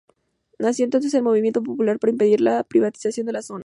Nació entonces un movimiento popular para impedir la privatización de la zona.